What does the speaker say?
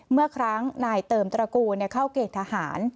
เมื่อครั้งนายเติมตระกูลเข้าเกณฑหาร